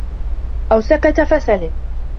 أَوْ سَكَتَ فَسَلِمَ